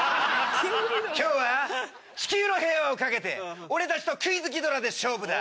今日は地球の平和を懸けて俺たちとクイズギドラで勝負だ。